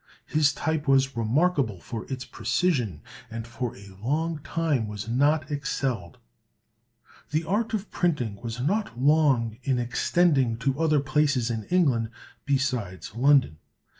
His type was remarkable for its precision, and for a long time was not excelled. [Illustration: Wynken·de·Worde] The art of printing was not long in extending to other places in England besides London.